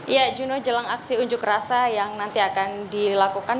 ya juno jelang aksi unjuk rasa yang nanti akan dilakukan